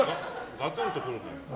ガツンと来るね。